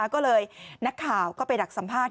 ก็เลยนักข่าวก็ไปดักสัมภาษณ